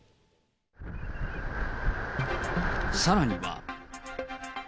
さらには。